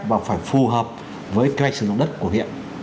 và phải phù hợp với kế hoạch sử dụng đất của huyện